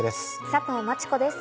佐藤真知子です。